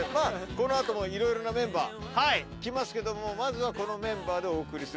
この後も色々なメンバー来ますけどもまずはこのメンバーでお送りすると。